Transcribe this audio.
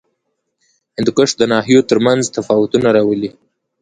هندوکش د ناحیو ترمنځ تفاوتونه راولي.